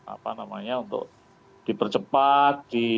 apa namanya untuk dipercepat